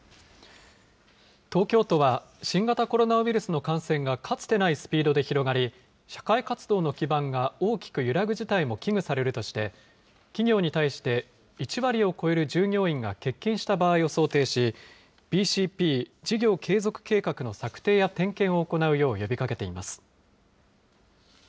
東京都は新型コロナウイルスの感染がかつてないスピードで広がり、社会活動の基盤が大きく揺らぐ事態も危惧されるとして、企業に対して、１割を超える従業員が欠勤した場合を想定し、ＢＣＰ・事業継続計画の策定や点検を行うよう呼びかけています。